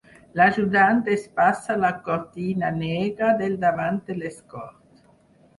L'ajudant despassa la cortina negra del davant de l'Escort.